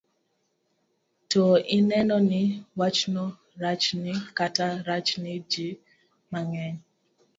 to ineno ni wachno rachni kata rachne ji mang'eny.